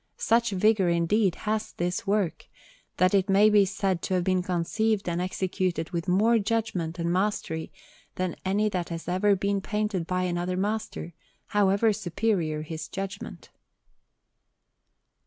Such vigour, indeed, has this work, that it may be said to have been conceived and executed with more judgment and mastery than any that has ever been painted by any other master, however superior his judgment.